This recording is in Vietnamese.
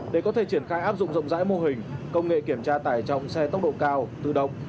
để có thể triển khai áp dụng rộng rãi mô hình công nghệ kiểm tra tải trọng xe tốc độ cao tự động